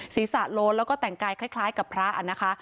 ศีรษะโล้นแล้วก็แต่งกายคล้ายกับพระนะคะ